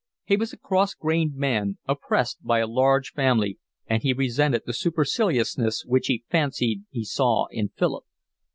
He was a cross grained man, oppressed by a large family, and he resented the superciliousness which he fancied he saw in Philip.